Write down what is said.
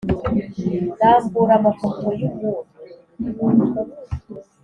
rambura amafoto yumunyu,